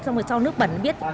xong rồi sau nước bẩn biết